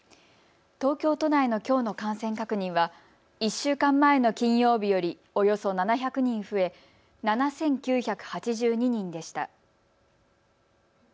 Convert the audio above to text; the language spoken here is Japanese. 東京都内のきょうの感染確認は１週間前の金曜日よりおよそ７００人増え７９８２人でした。